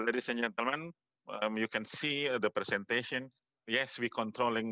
saya juga ingin memberikan anda satu pikiran yang menentukan